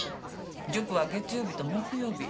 塾は月曜日と木曜日。